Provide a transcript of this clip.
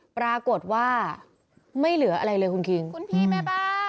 ปรากฏว่าไม่เหลืออะไรเลยคุณคิงคุณพี่แม่บ้าน